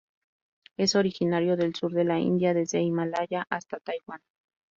Es originario del sur de la India y desde Himalaya hasta Taiwan.